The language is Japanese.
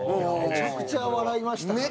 めちゃくちゃ笑いましたから。